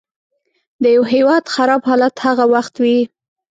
د یوه هیواد خراب حالت هغه وخت وي.